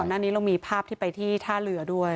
หน้านี้เรามีภาพที่ไปที่ท่าเรือด้วย